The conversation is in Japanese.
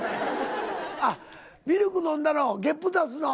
あっミルク飲んだの？